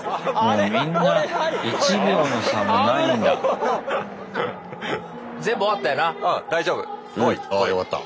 うんあよかった。